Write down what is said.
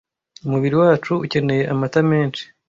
umubiri wacu ukeneye amata menshi